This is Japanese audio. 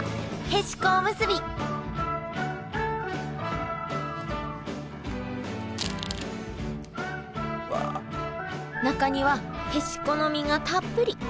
へしこおむすび中にはへしこの身がたっぷり。